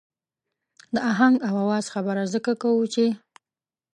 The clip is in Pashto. د آهنګ او آواز خبره ځکه کوو چې.